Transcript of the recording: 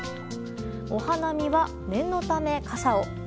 お花見は念のため傘を。